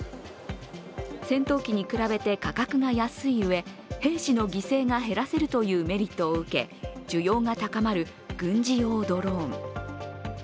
戦闘機に比べて価格が安いうえ兵士の犠牲が減らせるというメリットを受け需要が高まる軍事用ドローン。